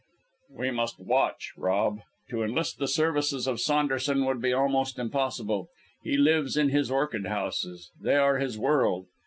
"We must watch, Rob. To enlist the services of Saunderson, would be almost impossible; he lives in his orchid houses; they are his world.